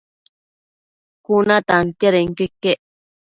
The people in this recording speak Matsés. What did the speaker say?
Cuna tantiadenquio iquec